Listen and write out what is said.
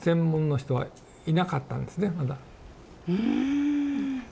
うん！